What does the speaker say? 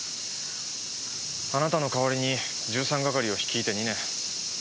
あなたの代わりに１３係を率いて２年。